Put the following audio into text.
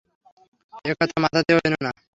একথা মাথাতেও এনো না।